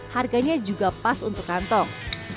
harganya juga pas untuk kantong